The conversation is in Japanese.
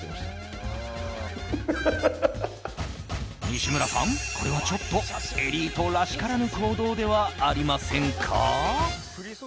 西村さん、これはちょっとエリートらしからぬ行動ではありませんか？